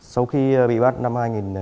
sau khi bị bắt năm hai nghìn bảy